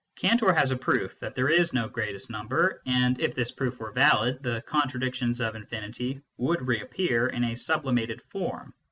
Cantor has a proof that there is no greatest number, and if this proof were valid, the contradictions of infinity would reappear in a sublimated form.